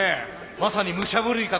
まさに武者震いか？